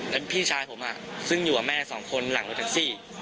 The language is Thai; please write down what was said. แล้วพี่ชายผมซึ่งอยู่กับแม่สองคนหลังรถแท็กซี่